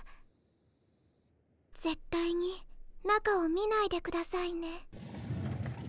ぜったいに中を見ないでくださいね。